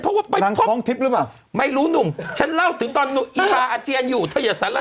เพราะว่าเป็นพร้อมคิดแล้วมาไม่ลงหนุ่มฉันเล่าถึงตอนเอาอาเจียนอยู่เธอย่าสนแล้ว